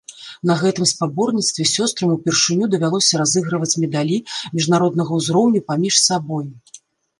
На гэтым спаборніцтве сёстрам упершыню давялося разыгрываць медалі міжнароднага ўзроўню паміж сабой.